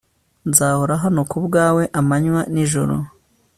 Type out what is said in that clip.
nzahora hano kubwawe amanywa n'ijoro